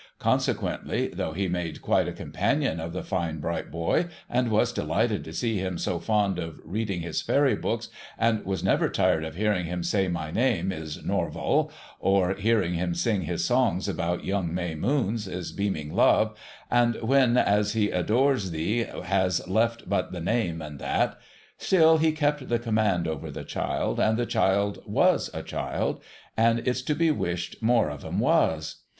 Consequently, though he made quite a companion of the fine bright boy, and was delighted to see him so fond of reading his fairy books, and was never tired of hearing him say my name is Norval, or hearing him sing his songs about Young May Moons is beaming love, and When he as adores thee has left but the name, and that ; still he kept the command over the child, and the cliild 7CU1S a child, and it's to be wished more of 'em was